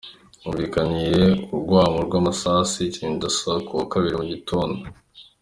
Humvikanye urwamo rw'amasase i Kinshasa ku wa kabiri mu gitondo.